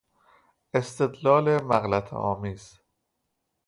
استدلال مغلطهآمیز